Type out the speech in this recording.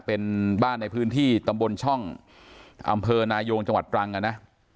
เป็นบ้านในพื้นที่ตำบลช่องอำเภอนายงจังหวัดตรังอ่ะนะ